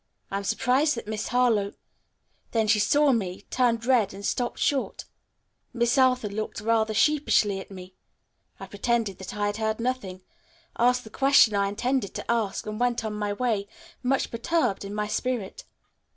I am surprised that Miss Harlowe ' then she saw me, turned red and stopped short. Miss Arthur looked rather sheepishly at me. I pretended that I had heard nothing, asked the question I intended to ask, and went on my way, much perturbed in spirit.